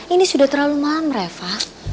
ini sudah terlalu malam reva